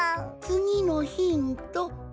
つぎのヒント。